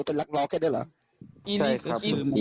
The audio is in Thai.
ก็รักรอบแค่เดียวเหรอ